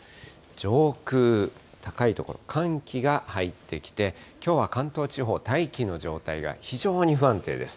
上空、高い所、寒気が入ってきて、きょうは関東地方、大気の状態が非常に不安定です。